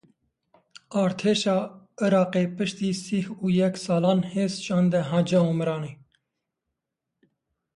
Artêşa Iraqê piştî sih û yek salan hêz şande Hacî Omeranê.